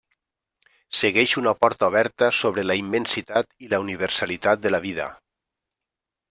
Segueix una porta oberta sobre la immensitat i la universalitat de la vida.